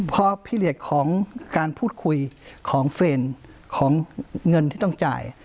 พอพิเลสของการพูดคุยของเฟรนด์ของเงินที่ต้องจ่าย